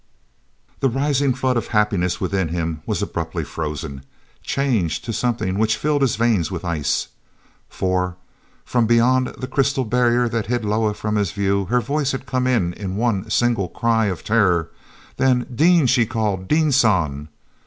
The rising flood of happiness within him was abruptly frozen, changed to something which filled his veins with ice. For, from beyond the crystal barrier that hid Loah from his view, her voice had come in one single cry of terror. Then, "Dean!" she called. "Dean San!"